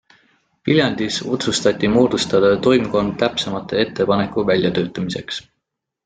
Viljandis otsustati moodustada toimkond täpsemate ettepanekute väljatöötamiseks.